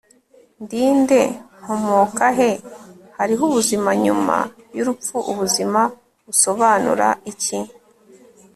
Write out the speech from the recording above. Ndi nde Nkomoka he Hariho ubuzima nyuma yurupfu Ubuzima busobanura iki